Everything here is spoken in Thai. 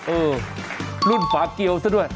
เออรุ่นฝาเกียวซะด้วย